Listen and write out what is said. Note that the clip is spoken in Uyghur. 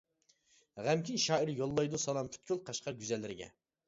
غەمكىن شائىر يوللايدۇ سالام پۈتكۈل قەشقەر گۈزەللىرىگە.